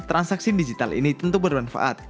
transaksi digital ini tentu bermanfaat